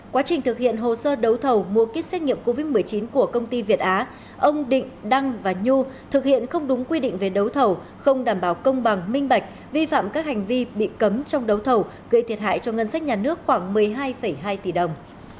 quá trình thực hiện hồ sơ đấu thầu mua kích xét nghiệm covid một mươi chín của công ty việt á ông định đăng và nhu thực hiện không đúng quy định về đấu thầu không đảm bảo công bằng minh bạch vi phạm các hành vi bị cấm trong đấu thầu gây thiệt hại cho ngân sách nhà nước khoảng một mươi hai hai tỷ đồng